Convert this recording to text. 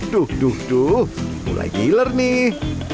duh duh duh mulai gilar nih